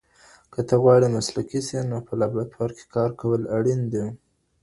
که ته غواړې مسلکي سې نو په لابراتوار کي کار کول اړین دي.